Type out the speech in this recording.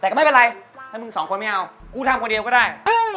แต่ก็ไม่เป็นไรถ้ามึงสองคนไม่เอากูทำคนเดียวก็ได้